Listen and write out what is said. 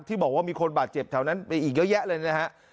บอกว่ามีคนบาดเจ็บแถวนั้นไปอีกเยอะแยะเลยนะฮะ